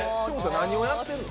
何をやってんの？